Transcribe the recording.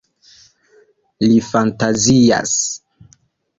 Li fantazias.